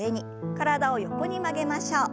体を横に曲げましょう。